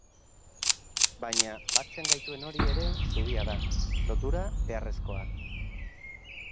Baina batzen gaituen hori ere zubia da, lotura beharrezkoa.